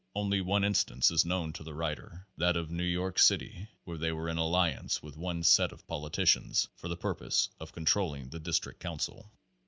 Only one in stance is known to the writer : That of New York City where they were in alliance with one set of politicians, for the purpose of controlling the district council.